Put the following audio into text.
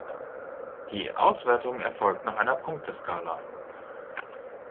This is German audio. Die Auswertung erfolgt nach einer Punkteskala.